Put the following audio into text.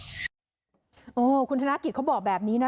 เขาก็ดำเขาขึ้นรถน่ะโอ้คุณธนาคิตเขาบอกแบบนี้น่ะ